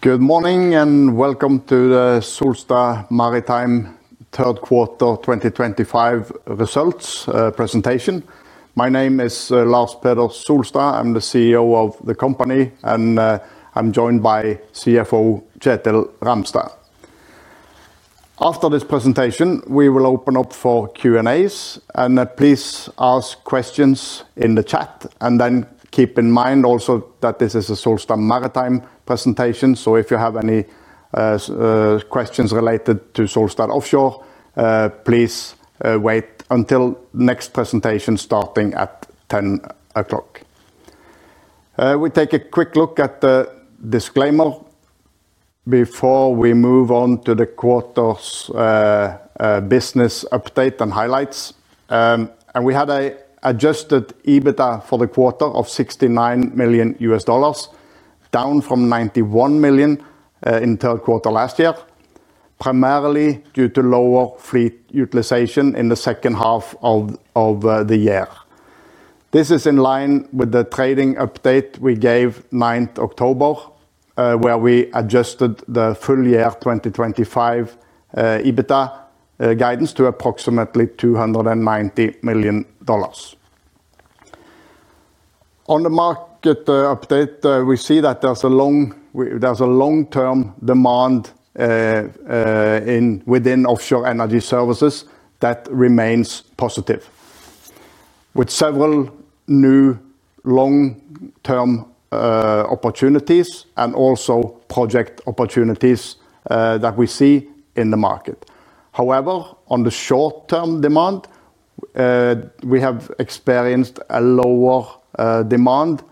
Good morning and welcome to the Solstad Maritime Q3 2025 results presentation. My name is Lars Peder Solstad. I'm the CEO of the company, and I'm joined by CFO Kjetil Ramstad. After this presentation, we will open up for Q&A, and please ask questions in the chat. Please keep in mind also that this is a Solstad Maritime presentation, so if you have any questions related to Solstad Offshore ASA, please wait until the next presentation starting at 10:00 A.M. We'll take a quick look at the disclaimer before we move on to the quarter's business update and highlights. We had an adjusted EBITDA for the quarter of $69 million, down from $91 million in the third quarter last year, primarily due to lower fleet utilization in the second half of the year. This is in line with the trading update we gave 9th October, where we adjusted the full year 2025 EBITDA guidance to approximately $290 million. On the market update, we see that there's a long-term demand within offshore energy services that remains positive, with several new long-term opportunities and also project opportunities that we see in the market. However, on the short-term demand, we have experienced a lower demand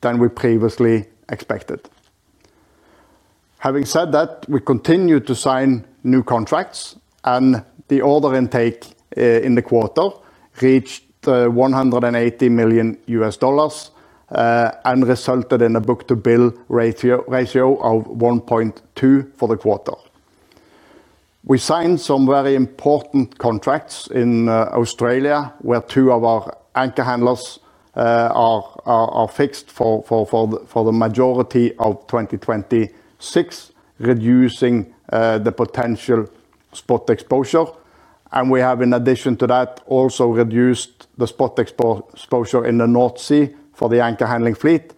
than we previously expected. Having said that, we continue to sign new contracts, and the order intake in the quarter reached $180 million and resulted in a book-to-bill ratio of 1.2 for the quarter. We signed some very important contracts in Australia, where two of our anchor handling tug supply vessels are fixed for the majority of 2026, reducing the potential spot exposure. In addition to that, we have also reduced the spot exposure in the North Sea for the anchor handling fleet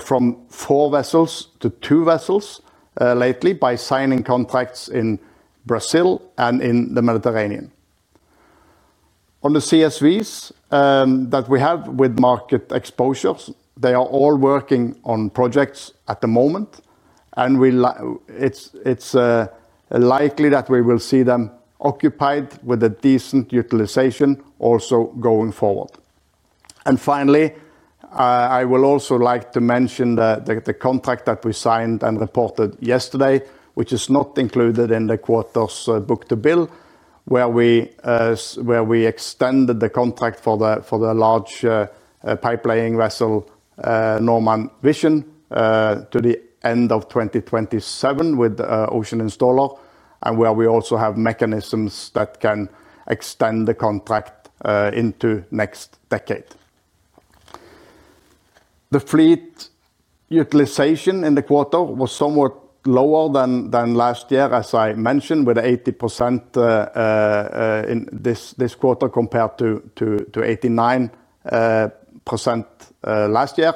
from four vessels to two vessels lately by signing contracts in Brazil and in the Mediterranean. On the construction support vessels that we have with market exposures, they are all working on projects at the moment, and it's likely that we will see them occupied with a decent utilization also going forward. Finally, I will also like to mention the contract that we signed and reported yesterday, which is not included in the quarter's book-to-bill, where we extended the contract for the large pipelaying vessel Norman Vision to the end of 2027 with Ocean Installer, and where we also have mechanisms that can extend the contract into the next decade. The fleet utilization in the quarter was somewhat lower than last year, as I mentioned, with 80% in this quarter compared to 89% last year.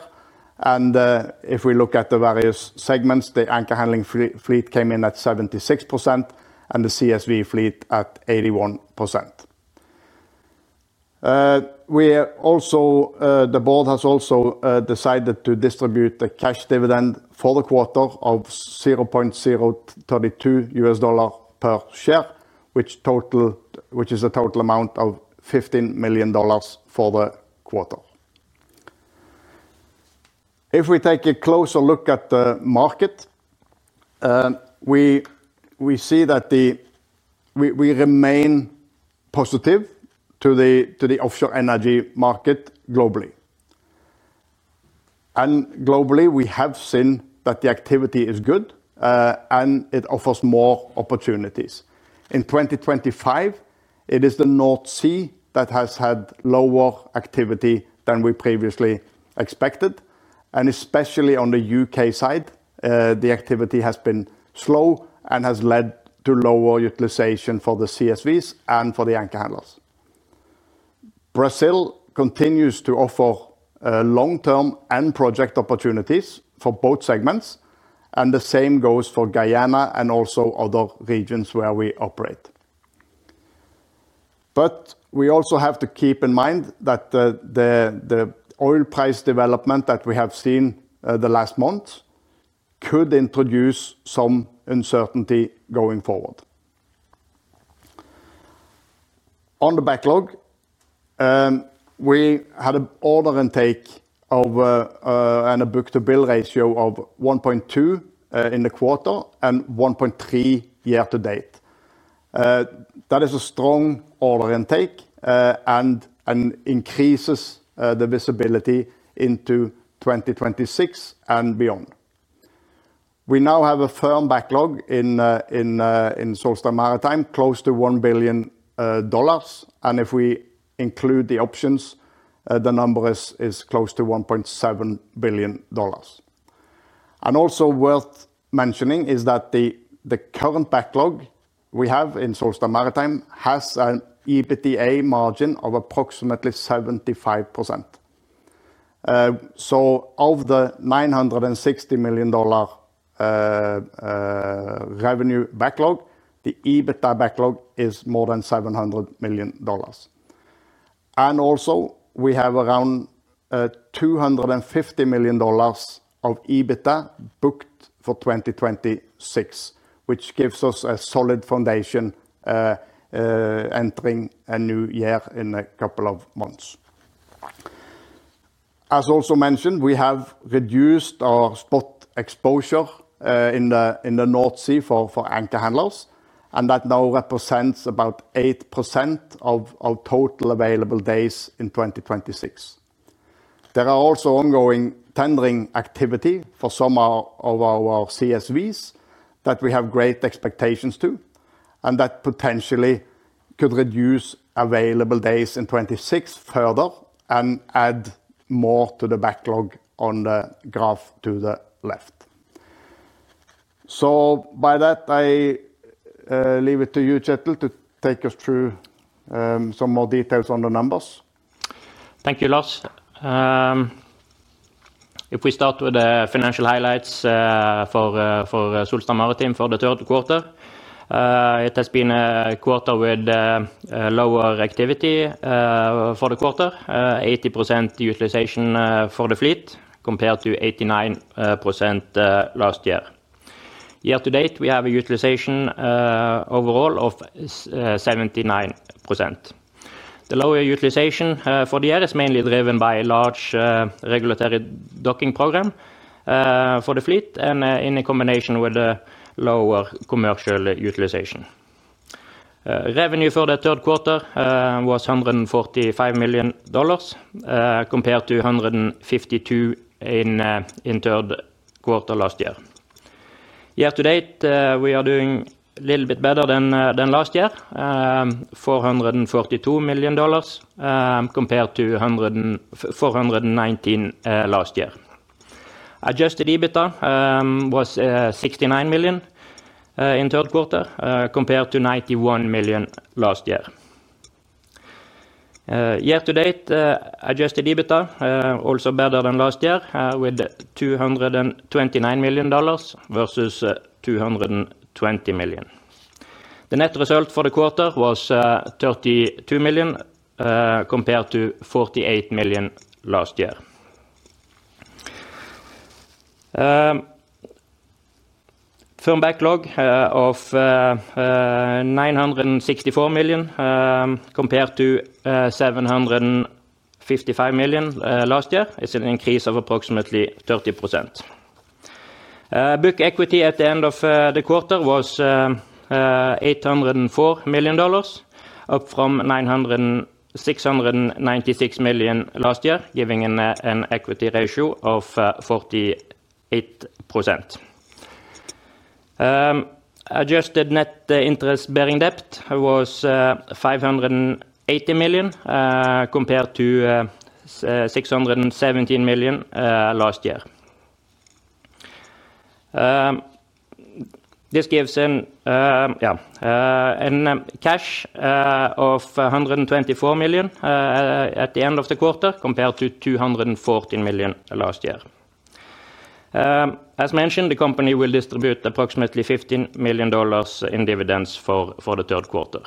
If we look at the various segments, the anchor handling fleet came in at 76% and the CSV fleet at 81%. The board has also decided to distribute the cash dividend for the quarter of $0.032 per share, which is a total amount of $15 million for the quarter. If we take a closer look at the market, we see that we remain positive to the offshore energy market globally. Globally, we have seen that the activity is good, and it offers more opportunities. In 2025, it is the North Sea that has had lower activity than we previously expected, and especially on the UK side, the activity has been slow and has led to lower utilization for the CSVs and for the anchor handlers. Brazil continues to offer long-term and project opportunities for both segments, and the same goes for Guyana and also other regions where we operate. We also have to keep in mind that the oil price development that we have seen the last month could introduce some uncertainty going forward. On the backlog, we had an order intake and a book-to-bill ratio of 1.2 in the quarter and 1.3 year to date. That is a strong order intake and increases the visibility into 2026 and beyond. We now have a firm backlog in Solstad Maritime, close to $1 billion, and if we include the options, the number is close to $1.7 billion. Also worth mentioning is that the current backlog we have in Solstad Maritime has an EBITDA margin of approximately 75%. Of the $960 million revenue backlog, the EBITDA backlog is more than $700 million. We have around $250 million of EBITDA booked for 2026, which gives us a solid foundation entering a new year in a couple of months. As also mentioned, we have reduced our spot exposure in the North Sea for anchor handlers, and that now represents about 8% of total available days in 2026. There are also ongoing tendering activity for some of our CSVs that we have great expectations to, and that potentially could reduce available days in 2026 further and add more to the backlog on the graph to the left. By that, I leave it to you, Kjetil, to take us through some more details on the numbers. Thank you, Lars. If we start with the financial highlights for Solstad Maritime for the third quarter, it has been a quarter with lower activity for the quarter, 80% utilization for the fleet compared to 89% last year. Year to date, we have a utilization overall of 79%. The lower utilization for the year is mainly driven by a large regulatory docking program for the fleet and in combination with the lower commercial utilization. Revenue for the third quarter was $145 million, compared to $152 million in the third quarter last year. Year to date, we are doing a little bit better than last year for $142 million, compared to $419 million last year. Adjusted EBITDA was $69 million in the third quarter, compared to $91 million last year. Year to date, adjusted EBITDA also better than last year with $229 million versus $220 million. The net result for the quarter was $32 million, compared to $48 million last year. Firm backlog of $964 million, compared to $755 million last year, is increased of approximately 30%. Book equity at the end of the quarter was $804 million, up from $696 million last year, giving an equity ratio of 48%. Adjusted net interest-bearing debt was $580 million, compared to $617 million last year. This gives a cash of $124 million at the end of the quarter, compared to $214 million last year. As mentioned, the company will distribute approximately $15 million in dividends for the third quarter.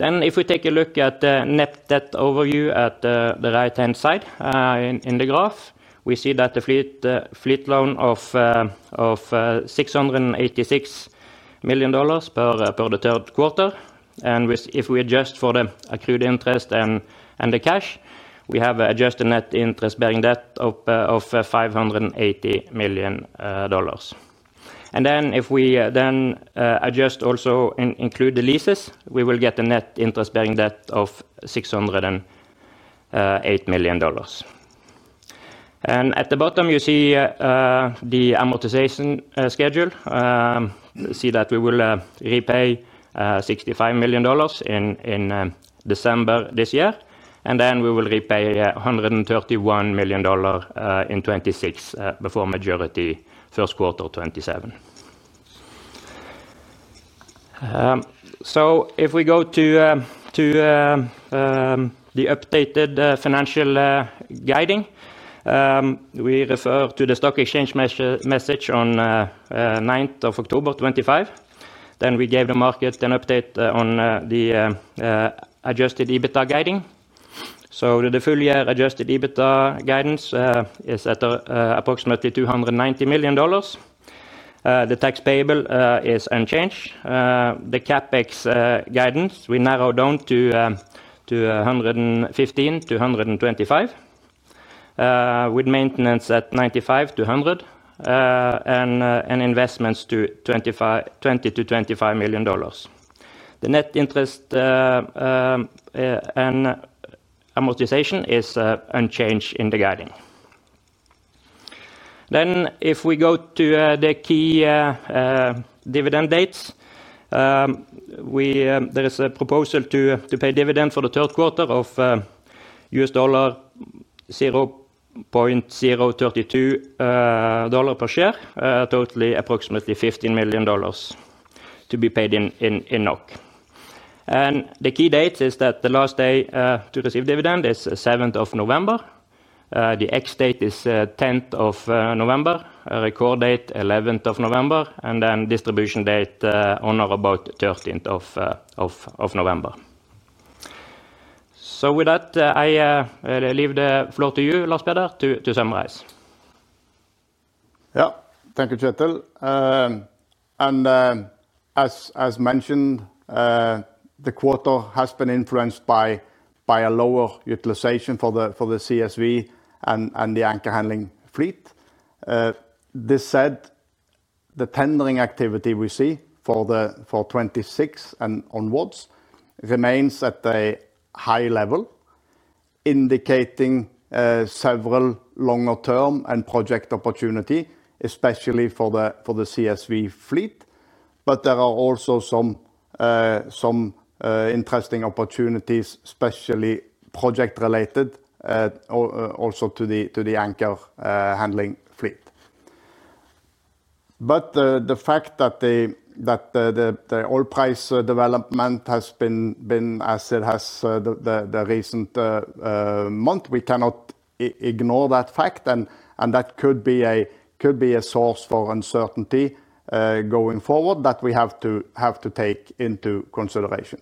If we take a look at the net debt overview at the right-hand side in the graph, we see that the fleet loan of $686 million per the third quarter, and if we adjust for the accrued interest and the cash, we have an adjusted net interest-bearing debt of $580 million. If we then adjust also and include the leases, we will get a net interest-bearing debt of $608 million. At the bottom, you see the amortization schedule, see that we will repay $65 million in December this year, and we will repay $131 million in 2026 before majority first quarter 2027. If we go to the updated financial guiding, we refer to the stock exchange message on 9th of October 2025. We gave the market an update on the adjusted EBITDA guiding. The full year adjusted EBITDA guidance is at approximately $290 million. The tax payable is unchanged. The CapEx guidance, we narrowed down to $115 million-$125 million, with maintenance at $95 million-$100 million, and investments to $20 million-$25 million. The net interest and amortization is unchanged in the guiding. If we go to the key dividend dates, there is a proposal to pay dividend for the third quarter of $0.032 per share, totaling approximately $15 million to be paid in NOC. The key date is that the last day to receive dividend is 7th of November. The ex-date is 10th of November, record date 11th of November, and distribution date on or about 13th November. With that, I leave the floor to you, Lars Peder, to summarize. Yeah, thank you, Kjetil. As mentioned, the quarter has been influenced by a lower utilization for the CSV and the anchor handling fleet. This said, the tendering activity we see for 2026 and onwards remains at a high level, indicating several longer-term and project opportunities, especially for the CSV fleet. There are also some interesting opportunities, especially project-related, also to the anchor handling fleet. The fact that the oil price development has been as it has the recent month, we cannot ignore that fact, and that could be a source for uncertainty going forward that we have to take into consideration.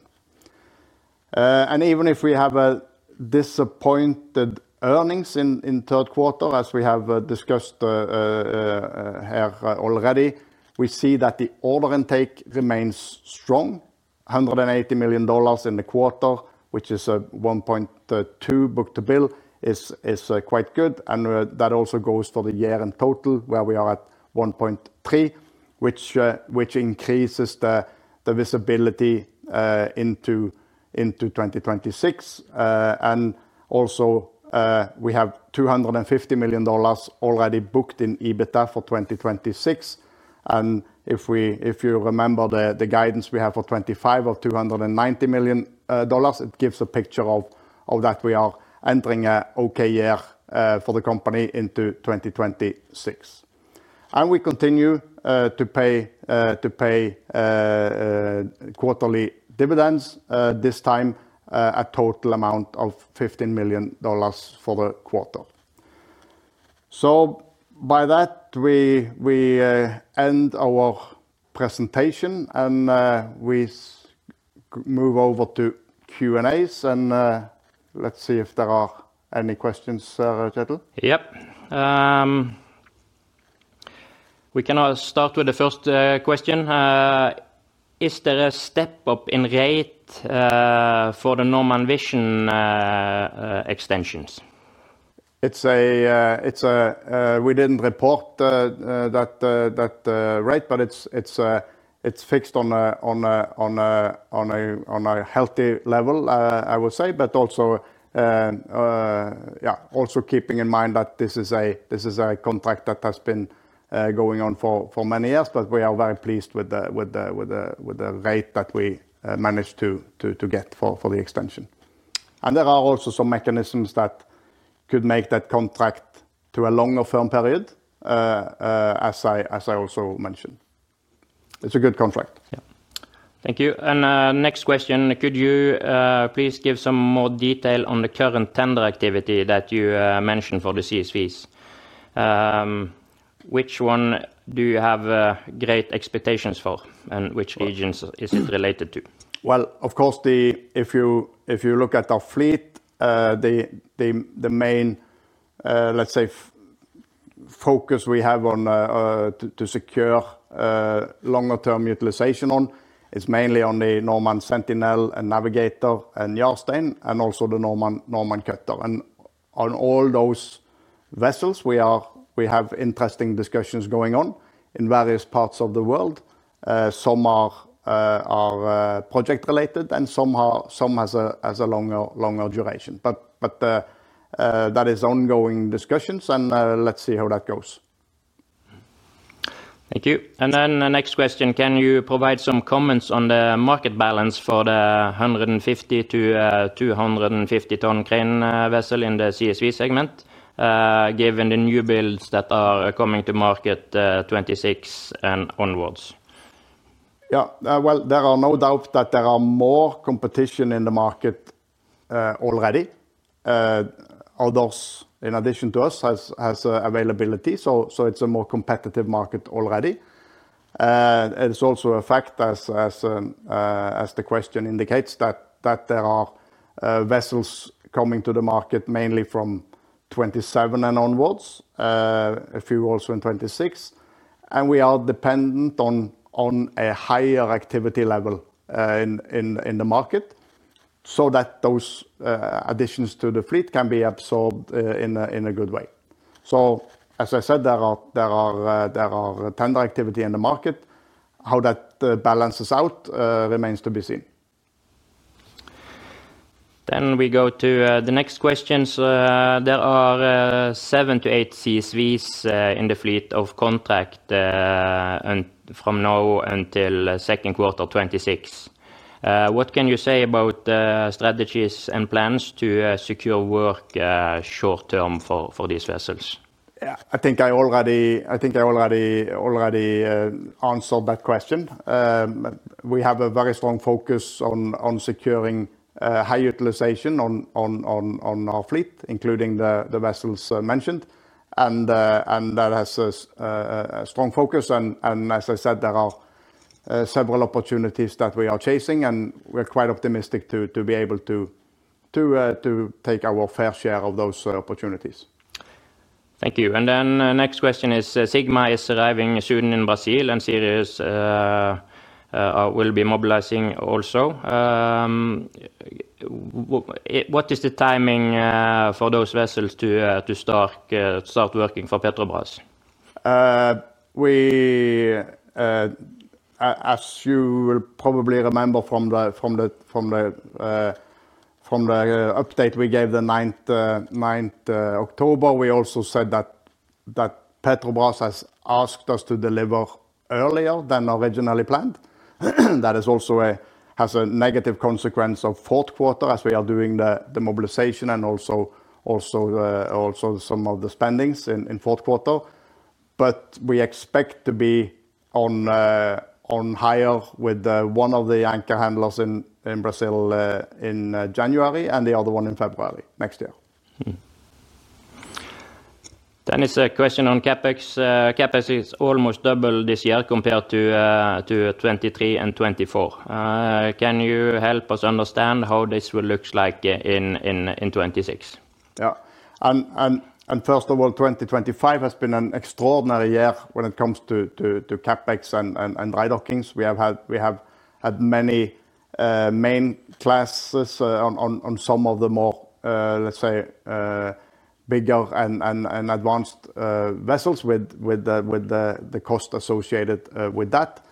Even if we have disappointed earnings in the third quarter, as we have discussed here already, we see that the order intake remains strong. $180 million in the quarter, which is a 1.2 book-to-bill, is quite good, and that also goes for the year in total, where we are at 1.3, which increases the visibility into 2026. We have $250 million already booked in EBITDA for 2026. If you remember the guidance we have for 2025 of $290 million, it gives a picture of that we are entering an okay year for the company into 2026. We continue to pay quarterly dividends, this time a total amount of $15 million for the quarter. By that, we end our presentation, and we move over to Q&As, and let's see if there are any questions, Kjetil. Yeah, we can start with the first question. Is there a step-up in rate for the Norman Vision extensions? We didn't report that rate, but it's fixed on a healthy level, I would say. Also, keeping in mind that this is a contract that has been going on for many years, we are very pleased with the rate that we managed to get for the extension. There are also some mechanisms that could make that contract a longer-term period, as I also mentioned. It's a good contract. Thank you. Next question, could you please give some more detail on the current tender activity that you mentioned for the construction support vessels? Which one do you have great expectations for, and which regions is it related to? If you look at our fleet, the main, let's say, focus we have to secure longer-term utilization on is mainly on the Norman Sentinel, Navigator, Yarstein, and also the Norman Cutter. On all those vessels, we have interesting discussions going on in various parts of the world. Some are project-related, and some have a longer duration. That is ongoing discussions, and let's see how that goes. Thank you. Can you provide some comments on the market balance for the 150-ton crane250-ton crane vessel in the CSV segment, given the new builds that are coming to market 2026 and onwards? There are no doubts that there is more competition in the market already. Others, in addition to us, have availability, so it's a more competitive market already. It's also a fact, as the question indicates, that there are vessels coming to the market mainly from 2027 and onwards, a few also in 2026, and we are dependent on a higher activity level in the market so that those additions to the fleet can be absorbed in a good way. As I said, there is tender activity in the market. How that balances out remains to be seen. We go to the next questions. There are seven to eight construction support vessels in the fleet of contract from now until the second quarter 2026. What can you say about the strategies and plans to secure work short term for these vessels? I think I already answered that question. We have a very strong focus on securing high utilization on our fleet, including the vessels mentioned, and that has a strong focus. As I said, there are several opportunities that we are chasing, and we're quite optimistic to be able to take our fair share of those opportunities. Thank you. The next question is, Sigma is arriving soon in Brazil and Sirius will be mobilizing also. What is the timing for those vessels to start working for Petrobras? As you will probably remember from the update we gave the 9th October, we also said that Petrobras has asked us to deliver earlier than originally planned. That has also a negative consequence of the fourth quarter, as we are doing the mobilization and also some of the spendings in the fourth quarter. We expect to be on hire with one of the anchor handling tug supply vessels in Brazil in January and the other one in February next year. It's a question on CapEx. CapEx is almost double this year compared to 2023 and 2024. Can you help us understand how this will look like in 2026? First of all, 2025 has been an extraordinary year when it comes to CapEx and rider kings. We have had many main classes on some of the more, let's say, bigger and advanced vessels with the cost associated with that.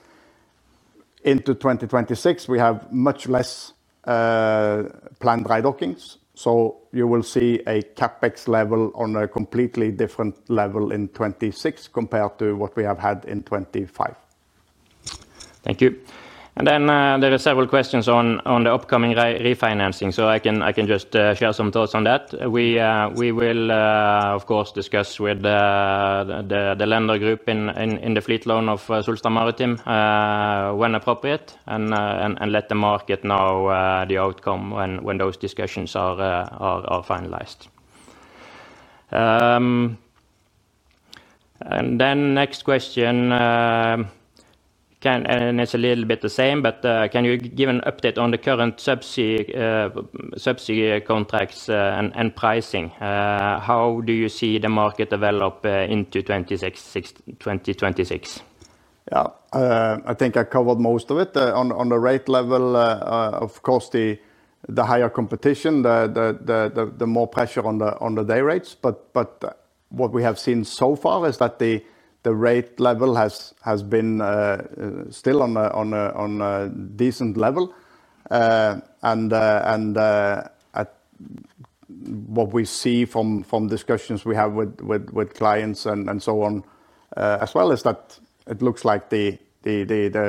In 2026, we have much less planned rider kings, so you will see a CapEx level on a completely different level in 2026 compared to what we have had in 2025. Thank you. There are several questions on the upcoming refinancing, so I can just share some thoughts on that. We will, of course, discuss with the lender group in the fleet loan of Solstad Maritime when appropriate and let the market know the outcome when those discussions are finalized. The next question, and it's a little bit the same, but can you give an update on the current subsea contracts and pricing? How do you see the market develop into 2026? Yeah, I think I covered most of it. On the rate level, of course, the higher competition, the more pressure on the day rates. What we have seen so far is that the rate level has been still on a decent level. What we see from discussions we have with clients and so on as well is that it looks like the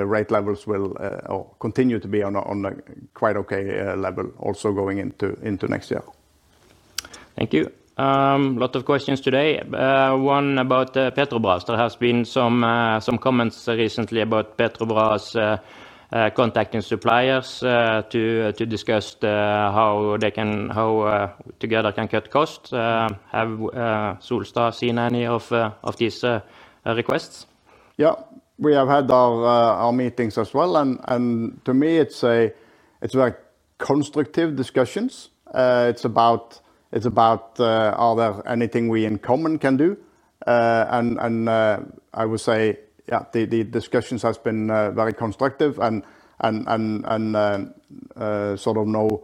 rate levels will continue to be on a quite okay level also going into next year. Thank you. A lot of questions today. One about Petrobras. There have been some comments recently about Petrobras contacting suppliers to discuss how together they can cut costs. Have Solstad Maritime seen any of these requests? We have had our meetings as well. To me, it's very constructive discussions. It's about, are there anything we in common can do? I would say, yeah, the discussions have been very constructive and sort of no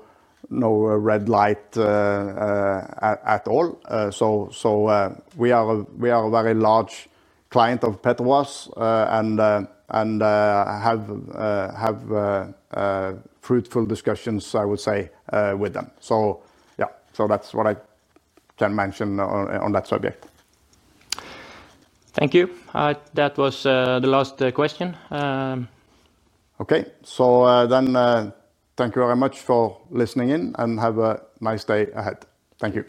red light at all. We are a very large client of Petrobras and have fruitful discussions, I would say, with them. That's what I can mention on that subject. Thank you. That was the last question. Thank you very much for listening in and have a nice day ahead. Thank you.